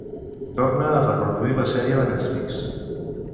Torna a reproduir la sèrie de Netflix.